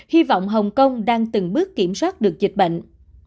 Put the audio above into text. hy vọng hồng kông đang từng bước kiểm soát được dịch bệnh